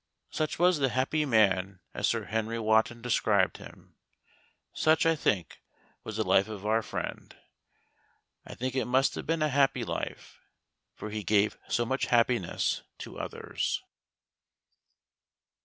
Such was the Happy Man as Sir Henry Wotton described him. Such, I think, was the life of our friend. I think it must have been a happy life, for he gave so much happiness to others.